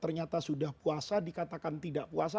ternyata sudah puasa dikatakan tidak puasa